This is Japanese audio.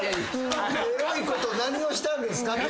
エロいこと何をしたんですかって。